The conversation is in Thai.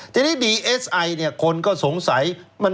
ทีนี้ดีเอสไอเนี่ยคนก็สงสัย